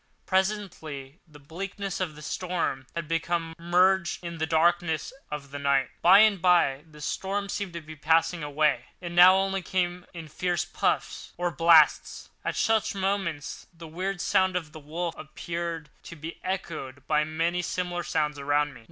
Presently the blackness of the storm had become merged in the darkness of the night. By and by the storm seemed to be passing away: it now only came in fierce puffs or blasts. At such moments the weird sound of the wolf appeared to be echoed by many similar sounds around me.